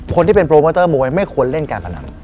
คนที่เป็นโปรโมเตอร์มวยไม่ควรเล่นการพนัน